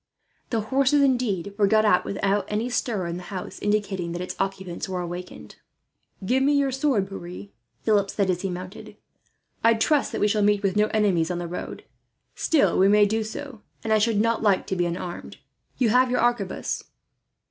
The horses, indeed, were got out without any stir in the house indicating that its occupants were awakened. "Give me your sword, Pierre," Philip said, as he mounted. "I trust that we shall meet with no enemies on the road; still we may do so, and I should not like to be unarmed. You have your arquebus."